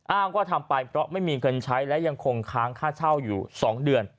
อ้างว่าทำไปเพราะไม่มีเงินใช้และยังคงค้างค่าเช่าอยู่๒เดือน